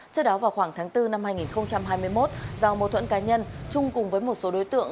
trước đó vào khoảng tháng bốn năm hai nghìn hai mươi một do mô thuẫn cá nhân trung cùng với một số đối tượng